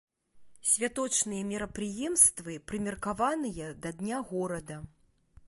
Святочныя мерапрыемствы прымеркаваныя да дня горада.